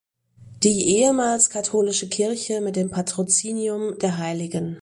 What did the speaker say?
Die ehemals katholische Kirche mit dem Patrozinium der Hl.